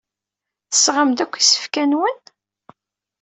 Tesɣam-d akk isefka-nwen?